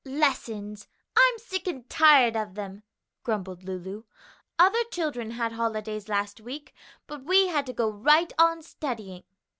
"Lessons! I'm sick and tired of them!" grumbled Lulu. "Other children had holidays last week, but we had to go right on studying."